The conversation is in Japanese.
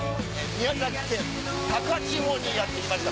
宮崎県高千穂にやって来ました。